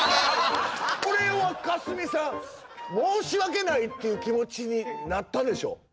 これは香澄さん申し訳ないっていう気持ちになったでしょ。